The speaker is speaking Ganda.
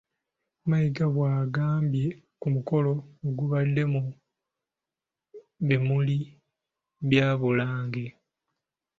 Mayiga bw'agambye ku mukolo ogubadde mu bimuli bya Bulange.